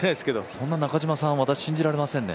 そんな中嶋さん、私信じられないですね。